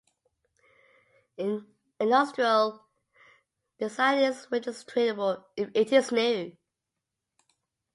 An industrial design is registrable if it is new.